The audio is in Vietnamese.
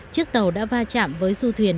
chiếc tàu đã va chạm với du thuyền